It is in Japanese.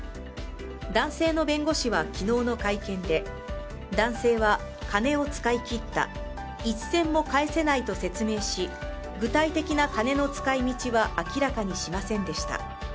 男性の弁護士は昨日の会見で男性は金を使い切った一銭も返せないと説明し、具体的な金の使い道は明らかにしませんでした。